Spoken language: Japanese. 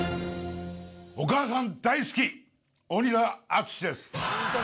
お母さん大好き大仁田厚です。